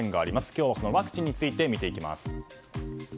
今日は、そのワクチンについて見ていきます。